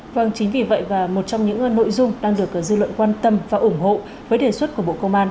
vâng chính vì vậy và một trong những nội dung đang được dư luận quan tâm và ủng hộ với đề xuất của bộ công an